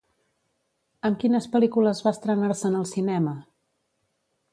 Amb quines pel·lícules va estrenar-se en el cinema?